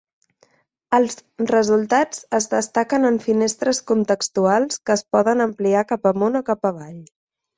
Els resultats es destaquen en finestres contextuals que es poden ampliar cap amunt o cap avall.